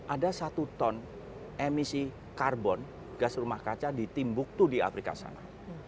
ada satu ton emisi karbon gas rumah kaca di timbuktu di afrika sana